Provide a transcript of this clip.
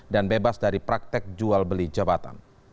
dan bebas dari praktek jual beli jabatan